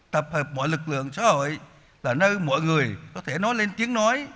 tập hợp mọi lực lượng xã hội là nơi mọi người có thể nói lên tiếng nói